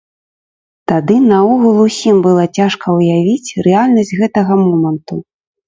Тады наогул усім было цяжка ўявіць рэальнасць гэтага моманту.